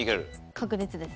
確実です。